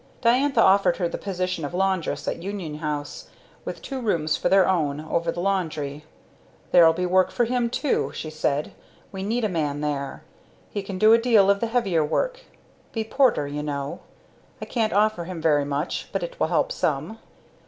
Diantha offered her the position of laundress at Union House, with two rooms for their own, over the laundry. "There'll be work for him, too," she said. "We need a man there. He can do a deal of the heavier work be porter you know. I can't offer him very much, but it will help some."